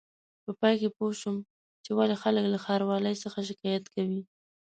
په پای کې پوه شوم چې ولې خلک له ښاروالۍ څخه شکایت کوي.